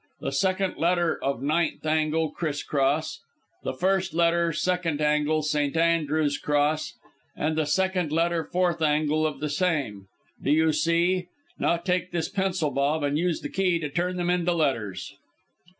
The second letter of ninth angle criss cross: the first letter second angle St. Andrew's cross, and the second letter fourth angle of the same. Do you see? Now take this pencil, Bob, and use the key to turn them into letters."